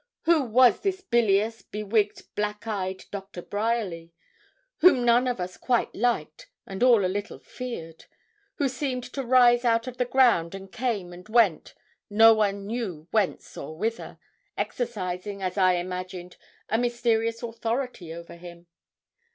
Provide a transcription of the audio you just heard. Who was this bilious, bewigged, black eyed Doctor Bryerly, whom none of us quite liked and all a little feared; who seemed to rise out of the ground, and came and went, no one knew whence or whither, exercising, as I imagined, a mysterious authority over him?